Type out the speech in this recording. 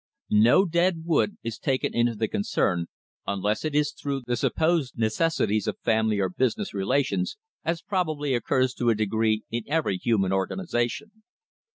No dead wood is taken into the concern unless it is through the supposed necessities of family or business relations, as probably occurs to a degree in every human organisation.